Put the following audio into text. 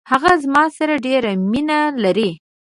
هغه زما سره ډیره مینه لري.